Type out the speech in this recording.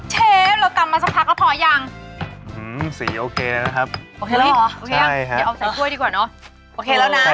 เชฟเราตำมาสักพักแล้วทอดอย่างสีโอเคนะครับโอเคหรอโอเคครับอู๊ยเดี๋ยวเอาใส่ข้วยดีกว่าเนอะโอเคแล้วนะ